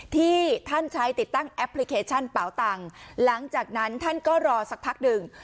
ที่ท่านใช้ติดตั้งแอปพลิเคชันเป๋าตังค์หลังจากนั้นท่านก็รอสักพักหนึ่ง